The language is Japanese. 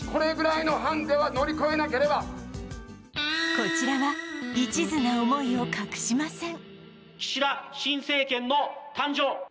こちらは一途な思いを隠しません。